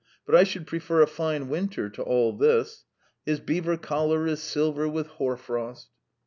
"But I should prefer a fine winter to all this. 'His beaver collar is silver with hoar frost.'"